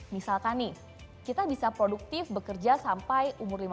misalkan nih kita bisa produktif bekerja sampai umur lima puluh lima tahun nih